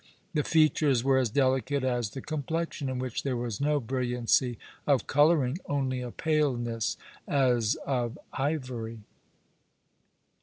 The features were as delicate as the complexion, in which there was no brilliancy of colouring, only a paleness as of ivory.